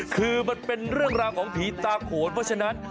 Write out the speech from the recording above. คือมันเป็นเรื่องราวของผีตาโขนเพราะฉะนั้น